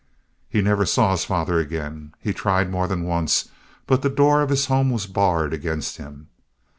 He never saw his father again. He tried more than once, but the door of his home was barred against him.